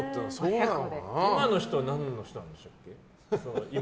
今の人って何の人なんでしたっけ？